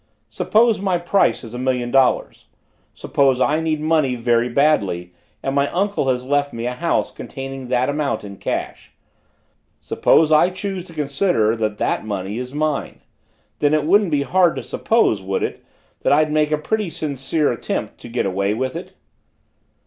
"Suppose my price is a million dollars. Suppose I need money very badly and my uncle has left me a house containing that amount in cash. Suppose I choose to consider that that money is mine then it wouldn't be hard to suppose, would it, that I'd make a pretty sincere attempt to get away with it?"